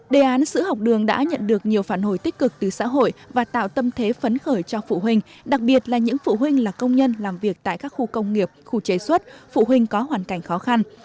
đề án sữa học đường đã nhận được nhiều phản hồi tích cực từ xã hội và tạo tâm thế phấn khởi cho phụ huynh đặc biệt là những phụ huynh là công nhân làm việc tại các khu công nghiệp khu chế xuất phụ huynh có hoàn cảnh khó khăn